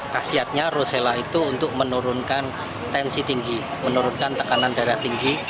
kasiatnya rosella itu untuk menurunkan tensi tinggi menurunkan tekanan darah tinggi